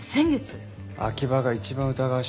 秋葉が一番疑わしいですね。